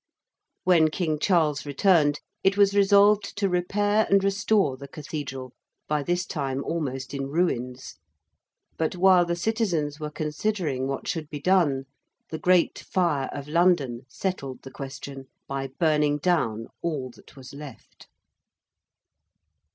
'_)] When King Charles returned it was resolved to repair and restore the cathedral, by this time almost in ruins: but while the citizens were considering what should be done, the Great Fire of London settled the question by burning down all that was left.